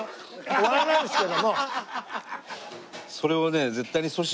終わらないですけども。